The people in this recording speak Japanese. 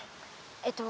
えっと